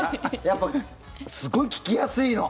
やっぱすごい聞きやすいの。